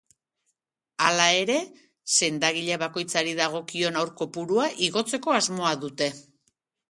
Hala ere, sendagile bakoitzari dagokion haur kopurua igotzeko asmoa dute.